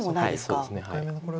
そうですね。